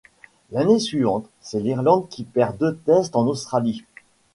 L'anne suivante, c'est l'Irlande qui perd deux tests en australie.